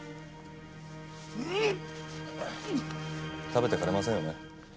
食べていかれませんよね？